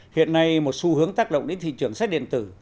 hiện nay một xu hướng tác động đến thị trường sách điện tử